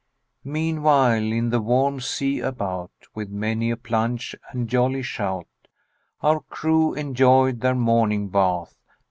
Meanwhile, in the warm sea about, With many a plunge and jolly shout, Our crew enjoyed their morning bath.